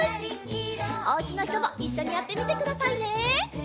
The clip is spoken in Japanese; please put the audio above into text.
おうちのひともいっしょにやってみてくださいね！